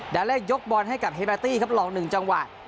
ดาเล่ยกบอลให้กับเฮเบตตี้ครับหลอกหนึ่งจังหวะ